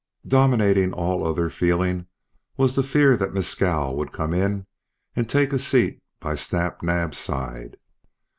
Dominating all other feeling was the fear that Mescal would come in and take a seat by Snap Naab's side.